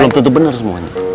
belum tutup bener semuanya